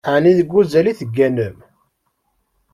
Ɛni deg uzal i tegganem?